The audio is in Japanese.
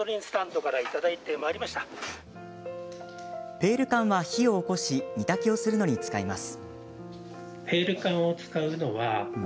ペール缶は火をおこし煮炊きをするのに使います。